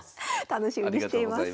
楽しみにしています。